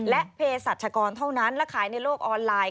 และเพศรัชกรเท่านั้นและขายในโลกออนไลน์